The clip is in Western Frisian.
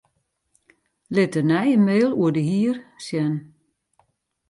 Lit de nije mail oer de hier sjen.